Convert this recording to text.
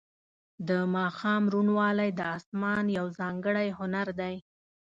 د ماښام روڼوالی د اسمان یو ځانګړی هنر دی.